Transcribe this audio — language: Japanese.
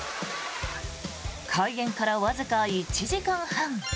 開園から、わずか１時間半。